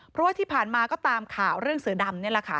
เพราะว่าที่ผ่านมาก็ตามข่าวเรื่องเสือดำนี่แหละค่ะ